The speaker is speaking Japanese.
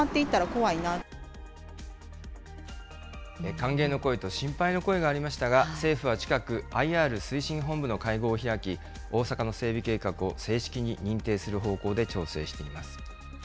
歓迎の声と心配の声がありましたが、政府は近く、ＩＲ推進本部の会合を開き、大阪の整備計画を正式に認定する方向で調整しています。